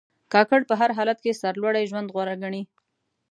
کاکړ په هر حالت کې سرلوړي ژوند غوره ګڼي.